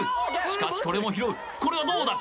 しかしこれも拾うこれはどうだ！？